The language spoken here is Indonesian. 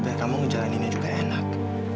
dan kamu ngejalaninnya juga enak